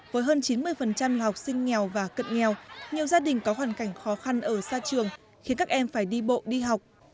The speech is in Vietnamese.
với hơn chín mươi là học sinh nghèo và cận nghèo nhiều gia đình có hoàn cảnh khó khăn ở xa trường khiến các em phải đi bộ đi học